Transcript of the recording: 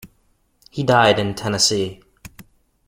He died in Tennessee.